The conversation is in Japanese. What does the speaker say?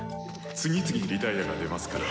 「次々リタイアが出ますから」。